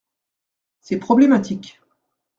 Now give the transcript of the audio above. C’est problématique.